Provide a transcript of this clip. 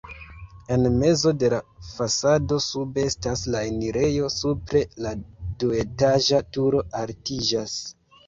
En mezo de la fasado sube estas la enirejo, supre la duetaĝa turo altiĝas.